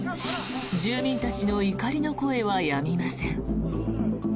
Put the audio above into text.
住民たちの怒りの声はやみません。